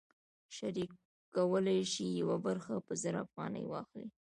شریک کولی شي یوه برخه په زر افغانۍ واخلي